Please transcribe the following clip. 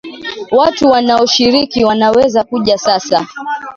Watu wanao shiriki wanaweza kuja sasa